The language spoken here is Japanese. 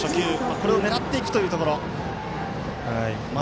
これを狙っていくというところ。